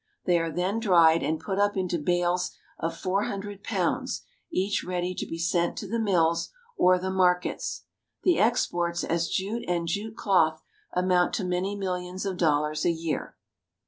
They are then dried, and put up into bales of four hundred pounds each ready to be sent to the mills or the markets. The exports as jute and jute cloth amount to many millions of dollars a year.